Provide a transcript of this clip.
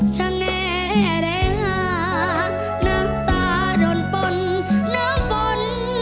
ช่างแอแรงหาหน้าตาโดนปล่นน้ำฝน